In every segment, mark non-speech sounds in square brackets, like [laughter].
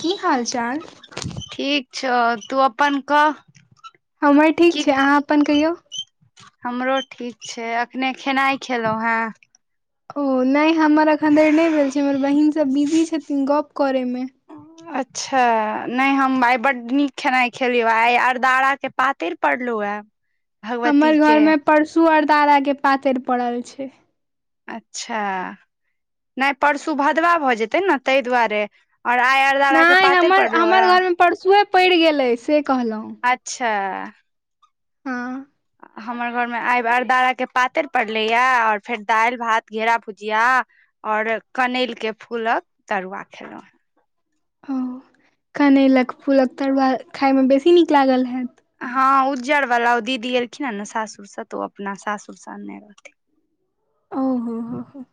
की हाल चाल ठीक। [unintelligible] छ तू अपन कह? हमर ठीक की छै अहाँ अपन कहियौ। हमरो ठीक छै अखने खेनाइ खेलहुॅं हे। ओ नहि हमर अखन धरि नहि भेल छै हमर बहिन सब बिजी छथिन गप करे मे। अच्छा नहि हम आइ बड्ड नीक खेनाइ खेलीयो ये आइ अरदारा के पातर पड़लो अ। हमर घर मे परसू आरदारा के पातरि पड़ल छै। अच्छा नहि परसू भदवा भऽ जेते ने ताहि दुआरे औओर आइ अरदारा के नहि पातरि हमर पड़लो हे हमर घरमे परसुए पड़ि गेलै से कहलहुँ। अच्छा। हँ हमर घरमे आब आई अरदाराके पातरि पड़लैए आओर फेर दालि भात घेरा भुजिया और कनैल के फूलक तरुआ खेलहुँ। ओ कनैलक फूलक तरुआ खायइमे बेसी नीक लागल हैत। हँ उज्जर वाला ओ दीदी एलखिन हे ने सासुर सा तऽ ओ अपना सासुर स अने रहथिन। ओ ह ह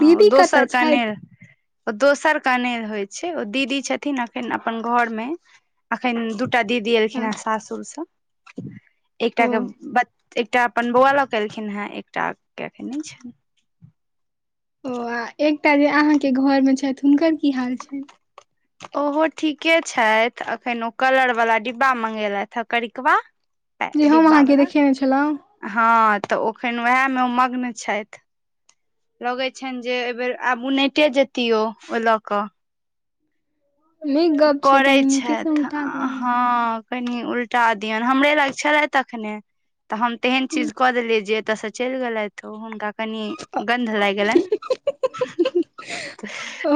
हँ ओ दीदी दोसर कतऽ छथि। कनेर ओ दोसर कनेल होइ छै ओ दीदी छथिन अखन अपन घर मे अखन दू दु टा दीदी हँ, एलखिने सासुरसँ ओ एकटा के ब एकटा अपन बौआ लक एलखिन हे एकटा के अखन नहि छैन। ओ आ एकटा जे अहाँके घर मे छथि हुनकर की हाल छनि। ओहो ठीके छथि अखन ओ कलर वाला डिब्बा मंगेलथि हे करिकबा। जे हम डीब्बा अहाँके वला। देखेने छलहुँ हँ तऽ ओखन उएहमे ओ मग्न छथि। लगैत छनि जे एहिबेर आब उनटे जेतियो ओहि लऽ कऽ। नीक गप छै कनी करैत नीके सँ छथि उठा देबै हँ। कनि उल्टा दियऔ हमरे लाग छलेथ अखने तऽ हम तेहन चीज कऽ देलियै जे हाँ। चलि गेलथि ओ हुनका कनि गन्ध लागि गेलनि।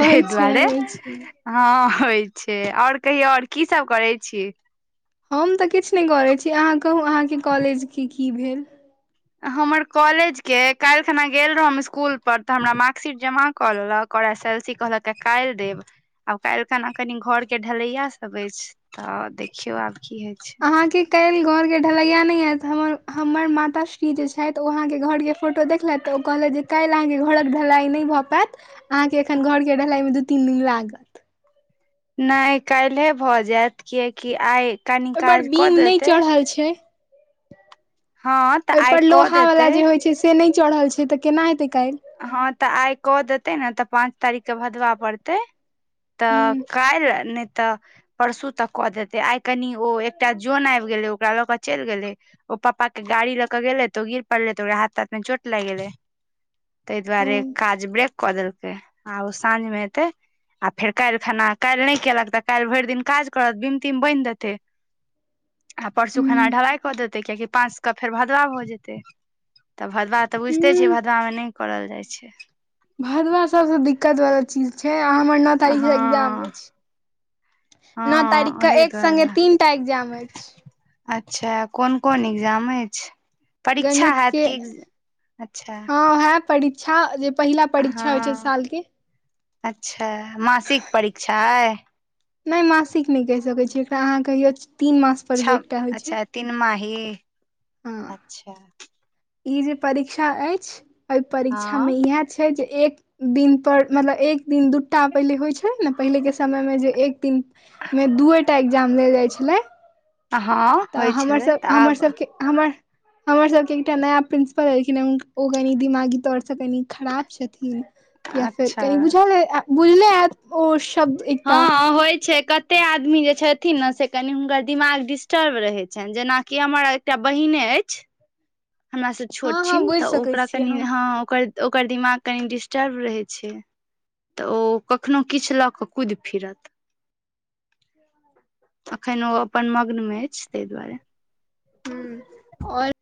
तै छै दुवारे। होइ छै हँ होइ छै आओर कहियौ आओर की सब करै छी। हम तऽ किछु नहि करैत छी अहाँ कहू अहाँके कॉलेजके की की भेल। हमर कॉलेज के काल्हि खना गेल रहौ हम स्कूल पर तऽ हमरा मार्क्शीट जमा क लेलक और एस एल सी कहल काल देब। आब काल्हिखना कनि घर के ढलैया सब अछि तऽ देखियो आब की हय छै। अहाँके काल्हि घरके ढलैया नहि हयत हमर हमर माता श्री जे छथि ओ अहाँके घरके फोटो देखलथि तऽ ओ कहलथि जे काल्हि अहाँके घरक ढलाइ नहि भऽ पायत। अहाँ के एखन घर के ढलाई मे दू तीन दिन लागत। नहि काल्हे भऽ जायत कियकि आइ कनि काज कऽ देतै। खल छै [unintelligible] हँ। तऽ आइ ओहिपर कऽ लोहा देतै वला जे होइ छै से नहि चढ़ल छै तऽ केना हेतै काल्हि। हँ तऽ आइ कऽ देतै ने तऽ पाँंच तारीख के भदबा पड़तै। तऽ हूँ कैल नय त तऽ परसू तक कऽ देते आइ कनि ओ एकटा जन आबि गेलै ओकरा लऽ कऽ चलि गेलै। ओ पापा के गाड़ी ले के गेले तो ओ गिर पड़ले त ओकरा हाथ ताथ मे चोट टोट लाग गेले। ताहि ओ दुआरे काज ब्रेक कऽ देलकै आब ओ साँझमे एतै। आ फेर काल्हि खना काल्हि नय केलक तऽ काल्हि फेर भरि दिन काज करत बिमतिम बनिहि देतै। आ परसू खाना हूँ ढलाई कऽ देतै कियकि पाँचके फेर भदवाव भऽ जेतै। तऽ भदवा तऽ बुझिते हूँ छियै भदवामे नहि करल जाइ छै। भदवा सभसँ दिक्कत वला चीज छै आ हमर नओ तारीखसँ एग्जाम हँ अछि। नओ तारीख हँ के ओहि एक दुआरे सङ्गे तीन टा एग्जाम अछि। अच्छा कोन कोन एग्जाम अछि परीक्षा गणित होैत के कि एज अच्छा। हँ उएह परीक्षा जे पहिला परीक्षा होइ छै हँ साल के अच्छा मासिक परीक्षा अ। नहि मासिक नहि कहि सकैत छी एकरा अहाँ कहियो तीन मास पर जे छम, एकटा होइ छै अछा तीन माही, अऽ छा। इ, जे परीक्षा अइछ अइ परीक्षा मे हँ यह छैय जे एक, दिन पर मतलब एक दिन दुटा पहिले होइ छैय ने पहिले के समय मे जे एक। तीन, मे दुऐटा एग्जाम लेल जाय छेलै। अऽ हाँ। तऽ हमर सब हमर सब के हमर। हमर सब के एकटा नया प्रिंसपल एलखिन हे उऽ ओ कनि दिमागी तौर से कनि खराब छेथिन। या फिर कनि अच्छा बुझले आ बुझले हेत ओ शब्द इ हँ-हँ होइ छै कत ते आदमी जे छथिन नऽ से कनि हुनकर दिमाग डिस्टर्ब रहै छैन, जेना कि हमर एकटा बहिने ऐछ। हमरा सऽ हँ हँ छोट-छिन बुझि तऽ सकैत ओकरा छियै कनि हम हँ, ओकर-ओकर दिमाग कनि डिस्टर्ब रहे छै। तऽ ओ कखनौं किछ लऽ कऽ कुइद फिरत। अखैन ओ अपन मग्न में ऐछ तै दुआरे। हूं, और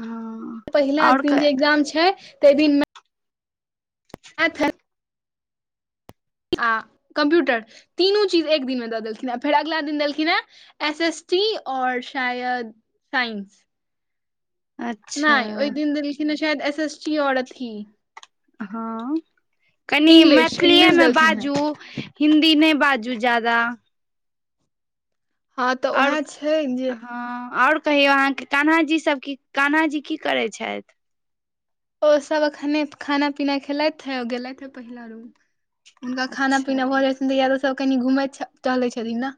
अहँ पहिला दिन जे एग्जाम छै, तै दिन में अऽ थल आ कम्प्यूटर, तीनू-चीज एक दिन मे दऽ देलखिने आ फेर अगला दिन देलखीने एस एस टी और शायद, साइंस। अच्छा नाइ, ओइ दिन देलखिने शयद एस एस टी और अथी हँ, कनि इंग्लिश मैथिलीये इंग्लिश में देलखिन हे बाजू हिन्दी नै बाजू ज्यादा। हँ तऽ आओर ओहे छै जे हँ, और कहियौ अहाँ के कान्हा जी सब कि, कान्हा जी की करै छेथ? ओ सव अखने खाना-पीना खेलैथे औ गेलैथे पहिला रूम। हुनका अच्छा खाना-पीना भऽ जै छैन तेकर बाद ओ सभ कनि घुमै छ टहलै छथिन न।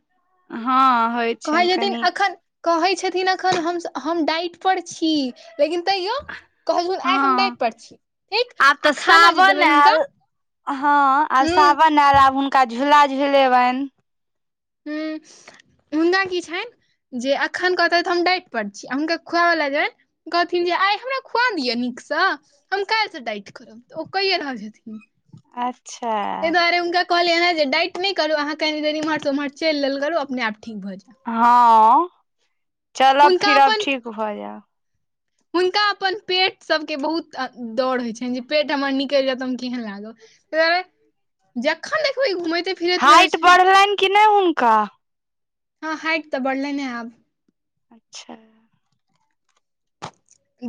हँ होइ कहै छनि जेथिन कनि अखन कहै छथिन अखन हम-स हम डाइट पर छी, लेकिन तैयो कहै छथून आइ हँ डाइट पर छी ठीक, आब तऽ आ खाना जे सावन देबैन हुनका आयल त हँ, आब सावन एल, आब हुनका झूला झुलेबैन। हूं, हुन्ना की छैन? जे अखन कहतैथ हम डाइट पर छी आ हुनका खुआवले जेवैन कहथिन जे आइ हमरा खुआ दिय नीक स हम कैल्ह से डाइट कर तऽ ओ कैये रहल छथिन। आर तै दुआरे हुनका कहलियैन्हें जे डाइट नै करू अहाँ कनि देर इम्हर-स-उम्हर चैल लेल करू अपने-आप ठीक भऽ जे। हँ, हुनका चलब-फिरब अपन ठीक भऽ जेब। हुनका अपन पेटसब के बहुत आ दर होइ छैन जे पेट हमर निकैल जेत तऽ हम केहेन लागब? पै, जखन देखबै घुमैते फिरैत रहै हाइट छथि बढ़लैन कि नै हुनका? हँ हाइट तऽ बढ़लैने आब अच्छा।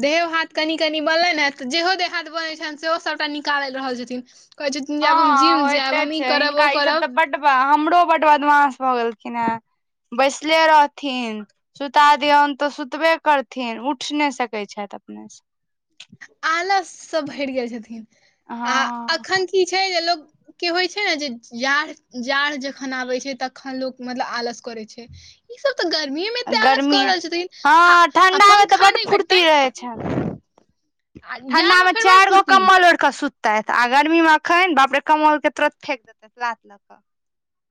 देहो-हाथ कनि-कनि बनलैन्हें, तऽ जेहो देह-हाथ बनै छैन सेहो सबटा निकाल रहल छथिन। कऐ छथिन जे आब हम जिम जेब, हम ई-करब ओ करब ब- बा हमरो बड बदमाास भऽ गेलखिन्हें, बैसले रहथिन। सुता दियौन तऽ सुतबे करथिन उठ नै सकै छैथ अपने स। आलस से भैर गेल छथिन, आ हँ अखैन की छै जे लोक कि होइ छै ने जे यार जाड़ जखन आबै छै, तखन लोक मतलब आलस करै छै। ई सब तऽ गर्मीए मे एते आलस गर्मी कऽ रहल छथिन, हँ आ-आ ठंडा मे तऽ पंखा बड नहि फुर्ती भेटतैन। ठण्डा मे फेर बड़ चैर-गो फुर्ती कम्मल ओइढ़ कऽ सुततैथ आ गर्मी मे अखैन बाप-रे कम्मल के तुरत फेेक देतैथ लात लऽ कऽ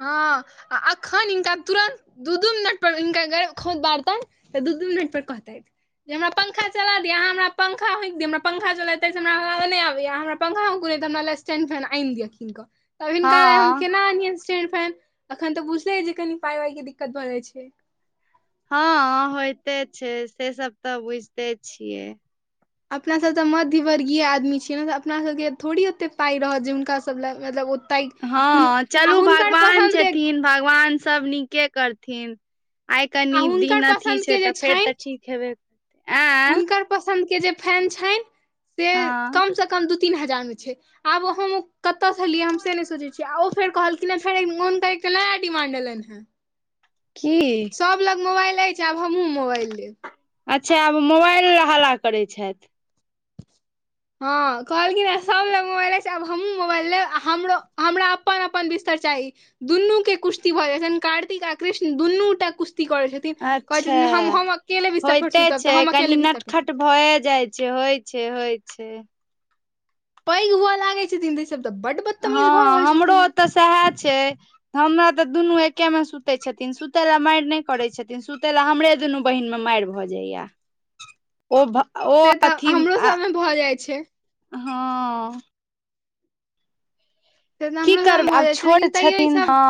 हँ, आ अखैन हिनका तुरन्त दू -दू मिनट पर, हुनका अगर खोउत बारतनि तऽ, दू- दू मिनट पर कहतैथ। जे हमरा पंखा चला दिय, हमरापंखा होकि दिय, हमरा पंखा चला हमरा ह नहि आबैय, हमरा पंखाै होकू, नइ त स्टैड फैन आनि दिय किन कऽ। तब हिनका ल हम हँ केना एनियनि स्टैण् फैन, एखन तऽ बुझले जे कनि पाइ -वाइ के दिक्कत भऽ जाइ छै। हँ होयइते छै, से सब तऽ बुझिते छियै। अपनासभ तऽ मध्यवर्गीय आदमी छियै ने तऽ, अपनासभके थोड़े ओतेक पाइ रहत जे हुनकासभ लए मतलब त हँ आ चलू हुनकर भगवान पसन्दके छथिन भगवान सब नीके करथिन। आइ आ कनि हुनकर दिन अथी पसन्द छै के जे तऽ, छनि फेर तऽ ठीक हेबे आँ हुनकर पसंन्द के जे फैन छनि से, हँ कमसँ कम दू, तीन हजार मे छै। आब हम ओ कतय सँ लियै, हम से नहि सोचैत छीय, आ ओ फेर कहलिनेँ फेर मोन मे एकटा नया डिमा्ड एलनि हेँ। की? सब लग मोबाइल अइछे, आब हमहुँ, मोबाइल लेब। अच्छा! आब मोबाइल लेल हला करैत छथि। हँ, कहलखिन सभ लग मोबाइल छै, आब हमहूँ मोबाइल लेब, हमरो हमरा अपन- अपन बिस्तर चाही। दुनू के कुस्ती भऽ जाइ छैन, कार्तिक आ कृष्ण दुनूटा कुस्ती कर छथि। अच्छा! पर होयइते सुतब तऽ छै, हम अकेले कनि बिस्तर पर नटखट सुतब भए जाय जे होइ छै, होइ छै। पैग हुए लागैत छथिन त, इ सभ तऽ बड हँ हमरो ओतऽ सएह छै। हमरा तऽ दुनू एके मे सुते छथिन, सुते ल मारि नहि करे छथिन, सुते ला हमरे दुनू बहिन मे मारि भऽ जाइया। ओ भ ओ से तऽ अथी हमरो सबमे भऽ जाइ छै हँ [unintelligible] से त की हमरा करबै भऽ आब जाइ छै, छोट लेकिन तइयो इ छथिन सब हँ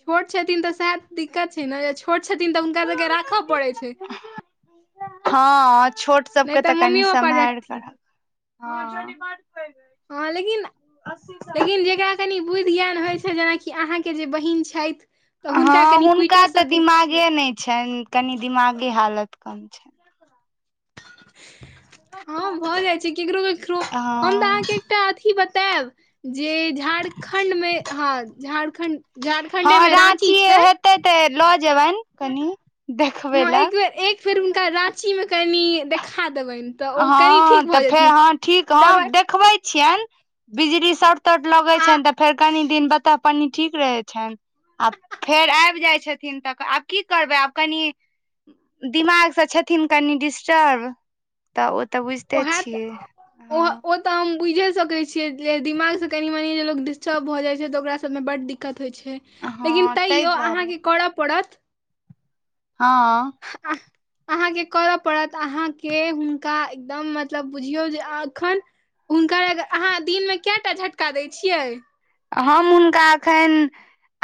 छोट छथिन तऽ सैह दिक्कत छोट छथिन तऽ हुनका सबके राखऽ पड़ै छै। हँ, छोट नहि सभके तऽ कनि मम्मियो पप्पा सम्हारि के रखथिन राखब है। [unintelligible] हँ लेकिन, लेकिन जेकरा कनि बुद्धि ज्ञान होइ छै, जेनाकि अहाँके जे बहीन छथि। तऽ हुनका हँ कनि हुनका कुइटो तऽ सकैत छियै दिमागे नहि छनि, कनि दिमागे हालत कम छनि। हँ भऽ जाइ छै, केकरो -केकरो हम तऽ हँ अहाँके एकटा अथी बतायब, जे झारखण्ड मे हँ झारखण्ड झारखंडे में राँची छै। ओत ते ल जेबनि कनि देखबे लए फेर हुनका राची मे कनि देखा देबनि। तऽ ओ कनि ठीक हँ तऽ भऽ फेर जेथिन हँ ठीक, ह दबाइ देखबै छियनि, बिजली शर्ट तर्ट लगैत आ छनि तऽ, फेर कनि दिन बतऽ पन्नी ठीक रहै छनि। आब फेर आबि जाइ छथिन तऽ, आब की करबै आब कनि दिमागसँ छथिन कनि डिस्टर्ब, तऽ ओ तऽ बुझिते ओएह छियै। ओ हँ। ओ तऽ हम बुझे सकैत छीये जे दिमाग से कनी- मनी जे लोग डिस्टर्ब भ जाय छै, तऽ ओकरा सब मे बड दिककत होय छै। लेकिन हँ ताहि तैयो दुआरे अहाँके करऽ पड़त। हँ। आ अहाँके करय पड़त अहाँके हुनका एकदम मतलब बुझियौ जे एखन हुनकर ल अहाँ दिनमे कए टा झटका दै छियै? हम हुनका एखैन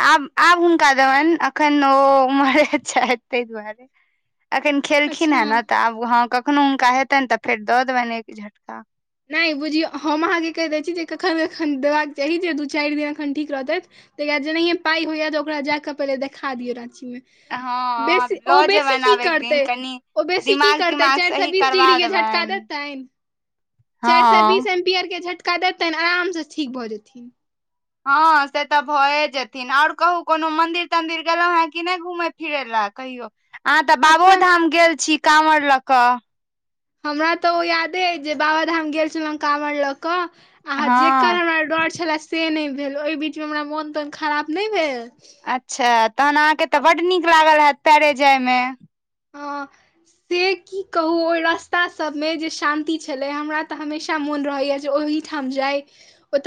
आब-आब हुनका देबैन, अखन ओ उम्हरे छैथ तय दुआरे। एखन खेलखिन हेँ न, अच्छा तऽ आब हँ कखनो हुनका हेतैन तऽ फेर दऽ देबैन एक झटका। नहि, बुझियौ हम अहाँकेँ कहि दै छी जे कखन एखन देबाक चाही जे दू चारि बेर एखन ठीक रहतै। तहिया जेनाहिये पाई होइया तऽ ओकरा जाकऽ पहिले देखा दियौ राॅंची में। हँ बेसी ओ लऽ बेसी जेबनि की आब एक दिन करतै? कनि ओ बेसी की दिमाग करतै? तिमाग चाईर सैऽ सही बीस करबा डिग्री के झटका देबनि देतैन। चाईर सैऽ बीस हँ एम्पियर के झटका देतैन आराम से ठीक भऽ जेथिन। हँ से तऽ भए जेथिन। और कहु कोनो मंदिर तंदिर गेलहुं हें कि नहि घुमे फिरै लए कहियो? अहाँ तऽ बाबो अखन धाम गेल छी कांवर लऽ कऽ। हमरा तऽ ओ यादे अइ जे बाबाधाम गेल छलहुँ काँवर लऽ कऽ। अहां, जेकर हँ हमरा डर छलए से नहि भेल ओहि बीचमे हमरा मोन तोन खराब नहि भेल। अच्छा तहन अहाँके तऽ आ बड्ड नीक लागल हैत पैरे जाइमे? खाली हँ से की कहू? ओई रस्ता सबमे जे शांती छलै, हमरा तऽ हमेशा मून रहैया जे ओहि ठम जाई।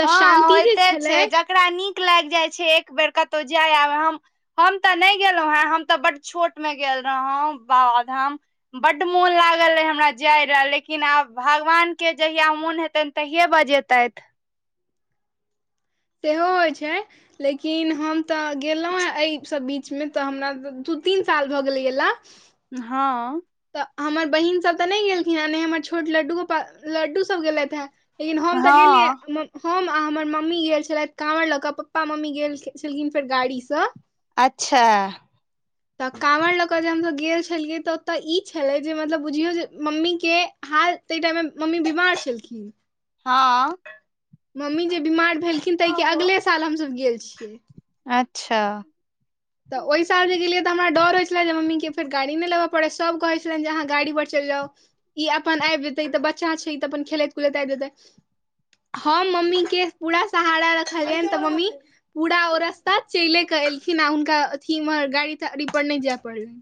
हॉं होइते छै, जकरा नीक लागि जाइ छै एक बेर कतहु जाय आब हम हम तऽ नहि गेलहुं हें, हम तऽ बड छोट मे गेल रहौ बाबाधाम। बड्ड मून लागल रहाऽ हमरा जाय रहए, लेकिन आब भगवान के जहिया मून हेतनि तहिये बजेतैथि। सेहो होइ छै। लेकिन हम तऽ गेलहुँ हेँ एहिसभ बीचमे तऽ हमरा दू तीन साल भऽ गेल गेलाऽ। हँऽ। तऽ हमर बहीन सभ तऽ नहि गेलखिन हैं, ने हमर छोट लड्डू गोपाल, लड्डूसभ गेलैथ हैऽ। लेकिन हम तऽ गेलियै हँ म्म हम आ हमर मम्मी गेल छलथि काँवर लऽ कऽ, पप्पा मम्मी गेल छलखिन फेर गाड़ी सँ। अच्छा ऽ ऽ। तऽ काँवड़ लऽ कऽ जे हमसब गेल छलियै तऽ तऽ ई छलै जे मतलब बुझियौ जे मम्मी के हाल ताहि टाइम मे मम्मी बीमार छलखिन। [inaudible] हँऽ। मम्मी जे बीमार भेलखिन तइके अगले साल हमसब गेल छियै। अच्छा। तऽ ओहि साल जे गेलियै, तऽ हमरा डॉर होइ छलाऽ मम्मीके फेर गाड़ी नहि लेबऽ पड़ै? सभ कहै छला जे अहाँ गाड़ीपर चलि जाऊ। ई अपन आबि जेतै, ई तऽ बच्चा छै, ई तऽ अपन खेलैत कुदैत आबि जेतै। हम मम्मी के पूरा सहारा रखलियैन तऽ मम्मी पूरा ओ रस्ता चलै के एलखिन, आ हुनका अथी में गाड़ी-ताड़ी पर नहि जैऽ पड़लनि।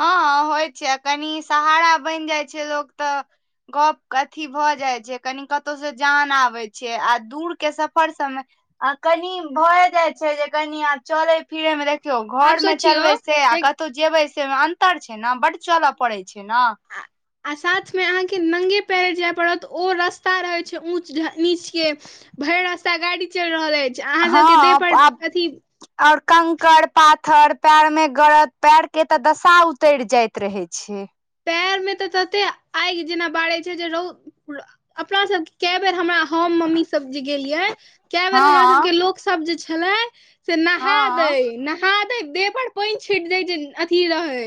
हँ-हँ होइ छै, आ कनी सहारा बैन जाइ छै लोक तऽ गप्प क अथी भऽ जाइ छै, कनि कतहु स जान आबै छै, आ दूर के सफर सबमे आ कनि भए जाइत छै, जे कनि चऽलै फिरै में देखियौ, आब घर में सोचियौ चलबै से आ जे कतौ जेबै से में अन्तर छै ना? बड चलऽ पड़ै छै ना? आ आ साथमे अहाँके नंगे पयरे जाय पड़त, ओ रस्ता रहै छै ऊँच घऽ नीच के। भरि रास्ता गाड़ी चलि रहल अछि हँ अहाँसभके देह पर आब अथी और कंकड़ पाथर पयर में गरत पैर के ते दशा उतर जायइत रहै छे। पैर में तऽ तते आगि जेना बारै छै जे रौ अपना सबके केए बेर हमरा हम मम्मी सब जे गेलियै कए बेर हँ हमरा सब के लोक सब जे छले से नहा हँ दै नह हां दै देह पर पानि छिट दय जे अथी रहय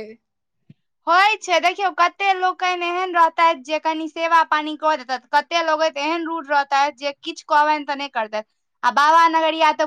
होइ छै देखियौ कते लोकनि एहन रहतथि जे कनि सेवा पानी कऽ देतथि। कते लोकनि त एहन रूड रहतैथ जे किछ कहबनि तऽ नहि करतैथ आ बाबा नगरिया तऽ